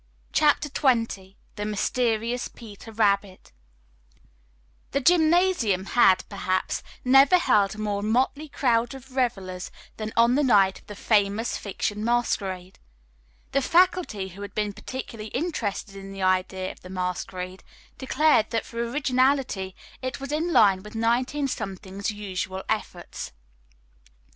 CHAPTER XX THE MYSTERIOUS "PETER RABBIT" The gymnasium had, perhaps, never held a more motley crowd of revelers than on the night of the Famous Fiction masquerade. The faculty, who had been particularly interested in the idea of the masquerade, declared that for originality it was in line with 19 's usual efforts.